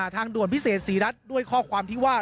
ทางด่วนพิเศษศรีรัฐด้วยข้อความที่ว่า